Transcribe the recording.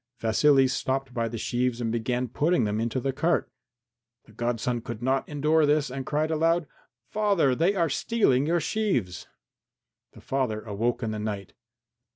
Vasily stopped by the sheaves and began putting them into the cart. The godson could not endure this and cried aloud, "Father, they are stealing your sheaves!" The father awoke in the night.